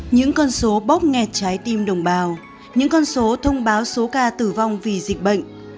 những con số bóp nghẹt trái tim đồng bào những con số thông báo số ca tử vong vì dịch bệnh